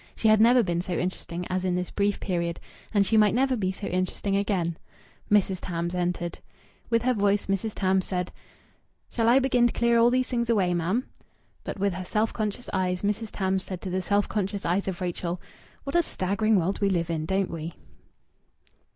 She had never been so interesting as in this brief period, and she might never be so interesting again. Mrs. Tams entered. With her voice Mrs. Tams said, "Shall I begin to clear all these things away, mam?" But with her self conscious eyes Mrs. Tams said to the self conscious eyes of Rachel, "What a staggering world we live in, don't we?"